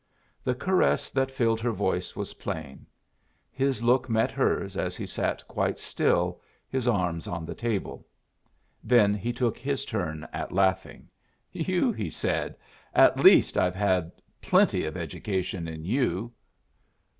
The caress that filled her voice was plain. His look met hers as he sat quite still, his arms on the table. Then he took his turn at laughing. "You!" he said. "At least I've had plenty of education in you."